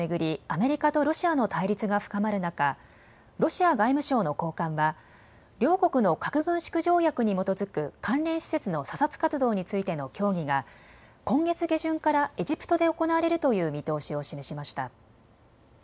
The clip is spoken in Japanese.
アメリカとロシアの対立が深まる中、ロシア外務省の高官は両国の核軍縮条約に基づく関連施設の査察活動についての協議が今月下旬からエジプトで行われるという見通しを示しました。